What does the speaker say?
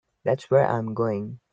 That's where I'm going.